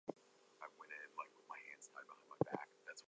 Hurricane Harbor is a water park located within Six Flags America.